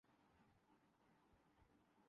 مسئلہ یہ ہے کہ ٹی ٹؤنٹی